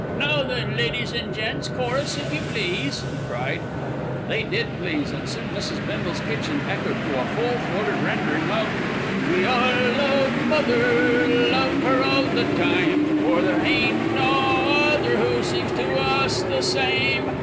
"Now then, ladies and gents, chorus if you please," he cried. They did please, and soon Mrs. Bindle's kitchen echoed with a full throated rendering of: We all love mother, love her all the time, For there ain't no other who seems to us the same.